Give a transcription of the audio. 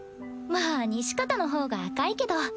まあ西片の方が赤いけど。